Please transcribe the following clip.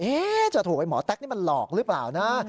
จะถูกไอ้หมอแต๊กนี่มันหลอกหรือเปล่านะ